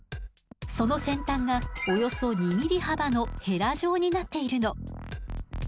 その先端がおよそ２ｍｍ幅のヘラ状になっているの。